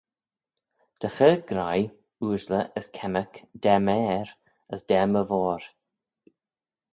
Dy chur graih, ooashley as kemmyrk da m'ayr as da my voir.